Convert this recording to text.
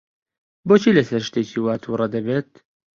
بۆچی لەسەر شتێکی وا تووڕە دەبێت؟